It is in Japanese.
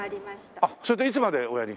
あっそれでいつまでおやりに。